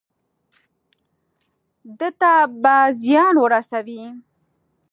ده ته به زیان ورسوي.